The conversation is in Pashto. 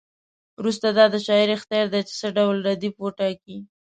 وروسته دا د شاعر اختیار دی چې څه ډول ردیف وټاکي.